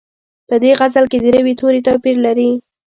په دې غزل کې د روي توري توپیر لري.